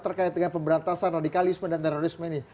terkait dengan pemberantasan radikalisme dan terorisme ini